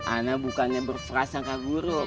ana bukannya berperasangka guruk